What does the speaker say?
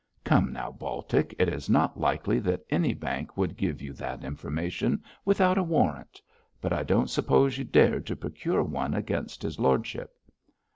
'Come now, Baltic, it is not likely that any bank would give you that information without a warrant; but I don't suppose you dared to procure one against his lordship.'